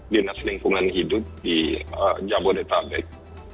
dinas lingkungan hidup di jabodetabek